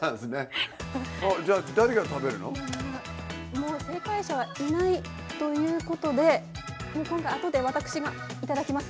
もう正解者はいないということでもう今回後で私が頂きます。